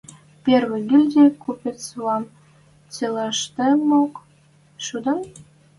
– Первый гильди купецвлӓм цилӓштӹмок шӱдет?..